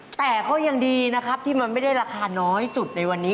แต่ก็ยังดีนะครับที่มันไม่ได้ราคาน้อยสุดในวันนี้